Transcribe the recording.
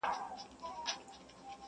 اه څه نا پوه وم څه ساده دي کړمه.